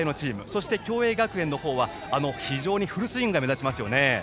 そして共栄学園の方は非常にフルスイングが目立ちますね。